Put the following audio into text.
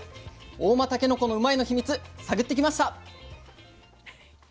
合馬たけのこのうまいッ！のヒミツ探ってきました。